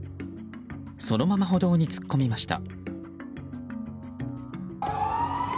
そのまま歩道に突っ込みました。